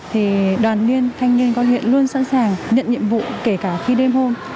thì đoàn thanh niên có hiện luôn sẵn sàng nhận nhiệm vụ kể cả khi đêm hôm